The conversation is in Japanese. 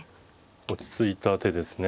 落ち着いた手ですね。